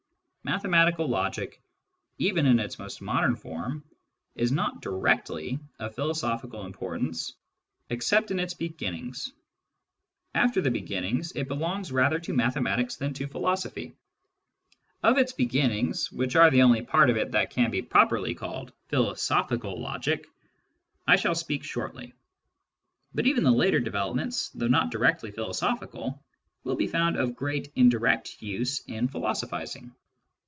Mathematical logic, even" in its most modern form, is ' not directly of philosophical importance except in its beginnings. After the beginnings, it belongs rather to mathematics than to philosophy. Of its beginnings, which are the only part of it that can properly be called philosophical logic, I shall speak shortly. But even the later developments, though not directly philosophical, will be found of great indirect use in philosophising.